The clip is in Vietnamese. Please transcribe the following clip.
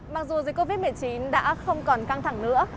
mặc dù dịch covid một mươi chín đã không còn căng thẳng nữa